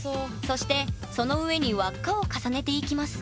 そしてその上に輪っかを重ねていきます。